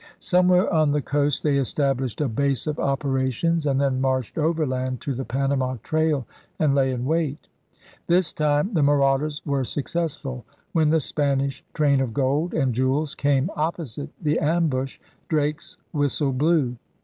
Somewhere on the coast they established a base of operations and then marched overland to the Panama trail and lay in wait. This time the marauders were successful. When the Spanish train of gold and jewels came opposite the ambush, Drake's whistle blew.